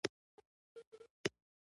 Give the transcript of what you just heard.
بېرحمي د خدای قهر راولي.